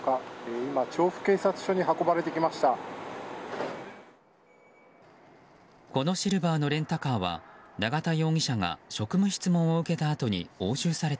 今、調布警察署へ運ばれてきました。